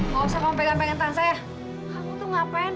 pergi pergi pergi